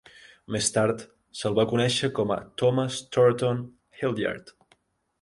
Més tard se'l va conèixer com a Thomas Thoroton Hildyard.